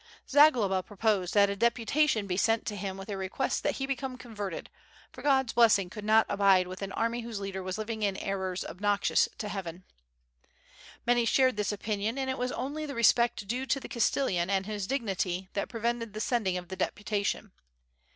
Za globa proposed that a deputation be sent to him with a request that he become converted, for God's blessing could not abide with an army whose leader was living in errors obnoxious to heaven. Many shared this opinion; and it was only the respect due to the Castellan and his dignity that prevented the sending of the deputation.